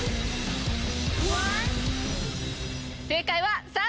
正解は。